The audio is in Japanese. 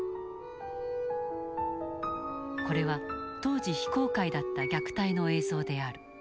これは当時非公開だった虐待の映像である。